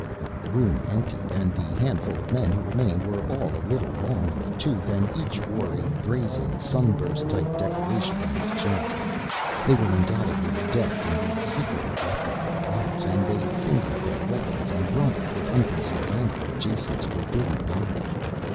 The room emptied and the handful of men who remained were all a little long in the tooth and each wore a brazen, sun burst type decoration on his chest. They were undoubtedly adept in the secret electrical arts and they fingered their weapons and grumbled with unconcealed anger at Jason's forbidden knowledge.